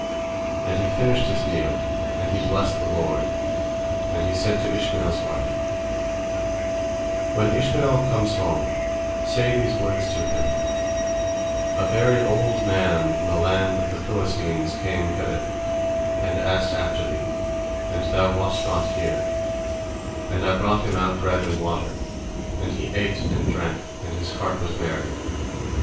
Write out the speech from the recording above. And he finished his meal, and he blessed the Lord, and he said to Ishmael's wife: "When Ishmael comes home, say these words to him: A very old man from the land of the Philistines came hither, and asked after thee, and thou wast not here, and I brought him out bread and water, and he ate and drank, and his heart was merry.